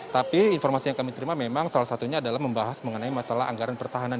tapi informasi yang kami terima memang salah satunya adalah membahas mengenai masalah anggaran pertahanan